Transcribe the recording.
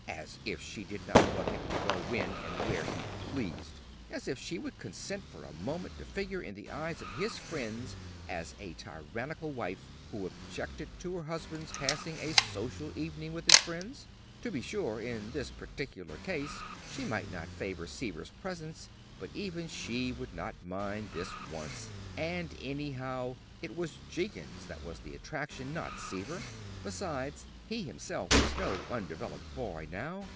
As if she did not want him to go when and where he pleased! As if she would consent for a moment to figure in the eyes of his friends as a tyrannical wife who objected to her husband's passing a social evening with his friends! To be sure, in this particular case, she might not favor Seaver's presence, but even she would not mind this once and, anyhow, it was Jenkins that was the attraction, not Seaver. Besides, he himself was no undeveloped boy now.